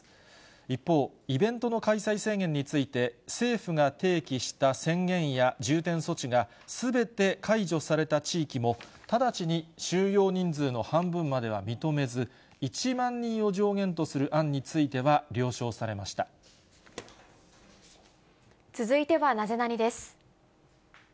一方、イベントの開催制限について、政府が提起した宣言や重点措置が、すべて解除された地域も、直ちに収容人数の半分までは認めず、１万人を上限とする案につい続いてはナゼナニっ？です。